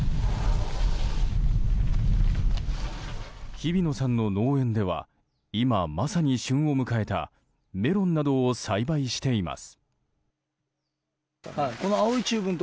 日比野さんの農園では今、まさに旬を迎えたメロンなどを栽培しています。